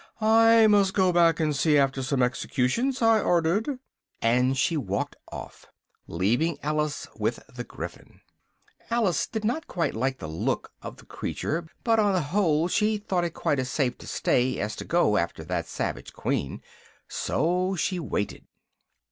I must go back and see after some executions I ordered," and she walked off, leaving Alice with the Gryphon. Alice did not quite like the look of the creature, but on the whole she thought it quite as safe to stay as to go after that savage Queen: so she waited.